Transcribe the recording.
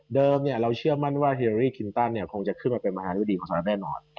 เราเชื่อมั่นว่าเฮรี่คินตันคงจะขึ้นมาเป็นมหารุดีของสหรัฐแน่นอน